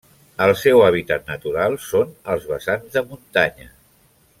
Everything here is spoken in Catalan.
El seu hàbitat natural són els vessants de muntanya.